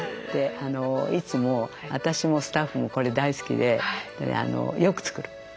いつも私もスタッフもこれ大好きでよく作る。